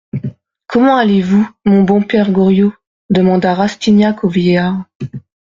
Comment allez-vous, mon bon père Goriot ? demanda Rastignac au vieillard.